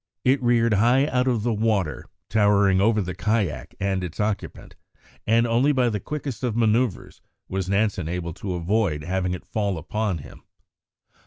It reared high out of the water, towering over the kayak and its occupant, and only by the quickest of manoeuvres was Nansen able to avoid having it fall upon him.